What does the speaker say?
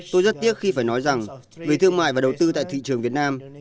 tôi rất tiếc khi phải nói rằng về thương mại và đầu tư tại thị trường việt nam